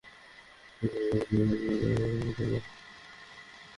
এদিনটি তাই এখানকার বাংলাদেশি শিক্ষার্থীদের জন্য একই সঙ্গে আনন্দের আবার বেদনার।